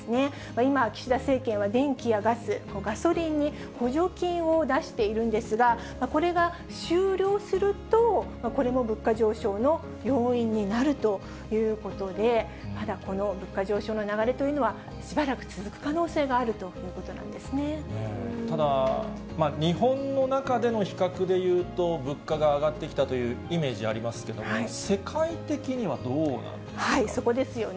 今、岸田政権は電気やガス、ガソリンに補助金を出しているんですが、これが終了すると、これも物価上昇の要因になるということで、まだこの物価上昇の流れというのは、しばらく続く可能性があるとただ、日本の中での比較でいうと、物価が上がってきたというイメージありますけれども、そこですよね。